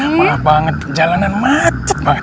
malah banget jalanan macet